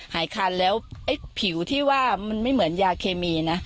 คันแล้วไอ้ผิวที่ว่ามันไม่เหมือนยาเคมีนะ